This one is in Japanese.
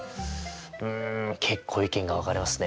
うん結構意見が分かれますねえ。